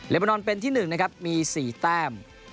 เรบานอนเป็นที่หนึ่งนะครับมีสี่แต้ม